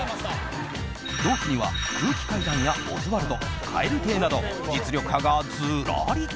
同期には空気階段やオズワルド蛙亭など実力派がずらり。